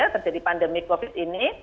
terjadi pandemi covid ini